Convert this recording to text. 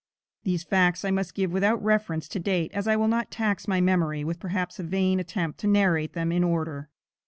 These facts I must give without reference to date, as I will not tax my memory with perhaps a vain attempt to narrate them in order.